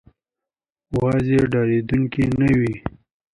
وزې ډارېدونکې نه وي